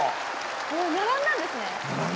並んだんですね。